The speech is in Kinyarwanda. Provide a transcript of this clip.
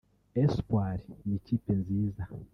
Espoir ni ikipe nziza